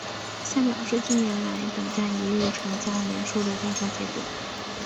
下表是近年来本站一日乘降人数的调查结果。